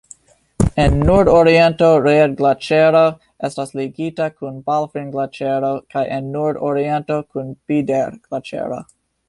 En nordoriento Ried-Glaĉero Estas ligita kun Balfrin-Glaĉero kaj en nordoriento kun Bider-Glaĉero.